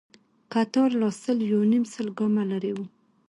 کتار لا سل يونيم سل ګامه لرې و.